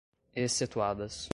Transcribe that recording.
Excetuadas